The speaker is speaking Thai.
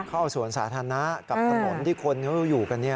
เข้าสวนสาธารณะกับถนนที่คนเขาอยู่กัน